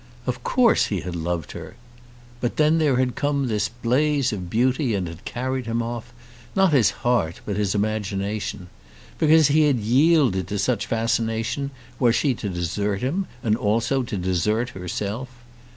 Of course he had loved her! But then there had come this blaze of beauty and had carried off, not his heart but his imagination. Because he had yielded to such fascination, was she to desert him, and also to desert herself?